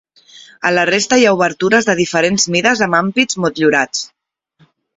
A la resta hi ha obertures de diferents mides amb ampits motllurats.